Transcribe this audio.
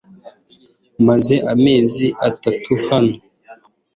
Maze amezi atatu hano .